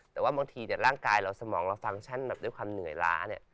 แต่ว่าบางทีร่างกายเราสมองเราฟังก์ชั่นแบบด้วยความเหนื่อยล้าเนี่ย